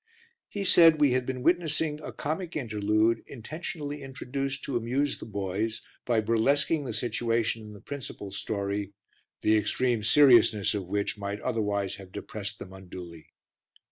He said we had been witnessing a comic interlude intentionally introduced to amuse the boys by burlesquing the situation in the principal story the extreme seriousness of which might otherwise have depressed them unduly.